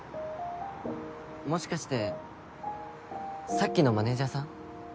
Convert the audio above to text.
もしかしてさっきのマネージャーさん？